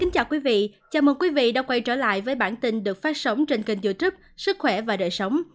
chào mừng quý vị đã quay trở lại với bản tin được phát sóng trên kênh youtube sức khỏe và đời sống